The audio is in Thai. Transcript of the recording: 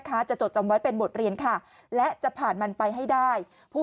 จะจดจำไว้เป็นบทเรียนค่ะและจะผ่านมันไปให้ได้ผู้